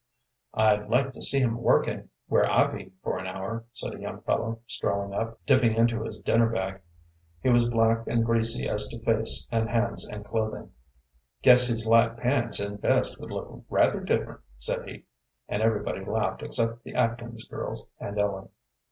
"I'd like to see him working where I be for an hour," said a young fellow, strolling up, dipping into his dinner bag. He was black and greasy as to face and hands and clothing. "Guess his light pants and vest would look rather different," said he, and everybody laughed except the Atkins girls and Ellen.